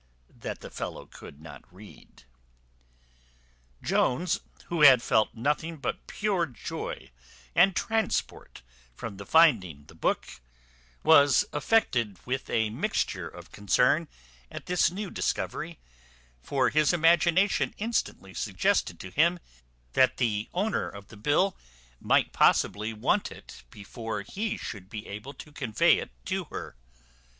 that the fellow could not read. Jones, who had felt nothing but pure joy and transport from the finding the book, was affected with a mixture of concern at this new discovery; for his imagination instantly suggested to him that the owner of the bill might possibly want it before he should be able to convey it to her.